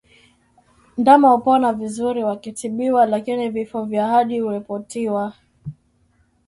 Ndama hupona vizuri wakitibiwa lakini vifo vya hadi huripotiwa